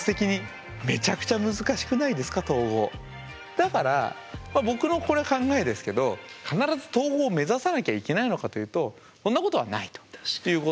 だからまあ僕のこれ考えですけど必ず統合目指さなきゃいけないのかというとそんなことはないということですよね。